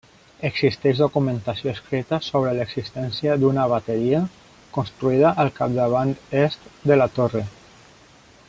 Existeix documentació escrita sobre l'existència d'una bateria, construïda al capdavant est de la Torre.